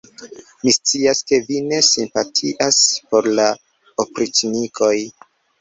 Mi scias, ke vi ne simpatias por la opriĉnikoj!